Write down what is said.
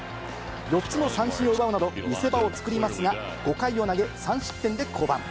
４つの三振を奪うなど、見せ場を作りますが、５回を投げ３失点で降板。